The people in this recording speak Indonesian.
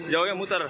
jauh yang muter